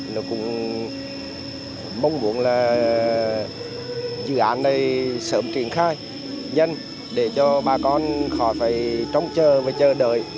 nó cũng mong muốn là dự án này sớm triển khai dân để cho bà con khỏi phải trông chờ và chờ đợi